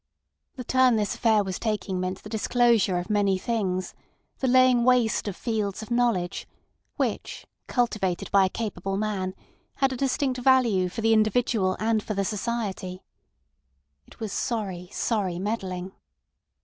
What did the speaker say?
The turn this affair was taking meant the disclosure of many things—the laying waste of fields of knowledge, which, cultivated by a capable man, had a distinct value for the individual and for the society. It was sorry, sorry meddling.